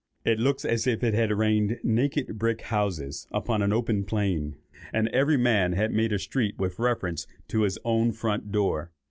It looks as if it had rained naked brick houses upon an open plain, and every man had made a street with reference to his own front door.